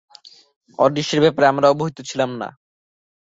অদৃশ্যের ব্যাপারে আমরা অবহিত ছিলাম না।